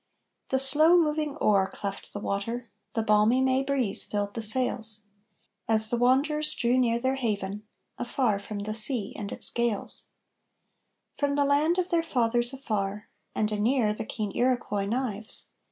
The slow moving oar cleft the water, the balmy May breeze filled the sails, As the wanderers drew near their haven, afar from the sea and its gales; From the land of their fathers afar, and anear the keen Iroquois knives.